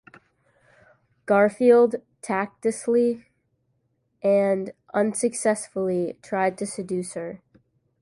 Garfield tactlessly and unsuccessfully tries to seduce her.